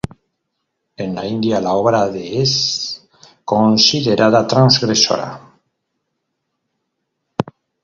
En la India, la obra de es considerada transgresora.